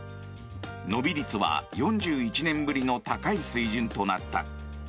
伸び率は４１年ぶりの高い水準となった。